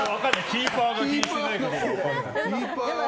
キーパーが気にしてないかどうかは。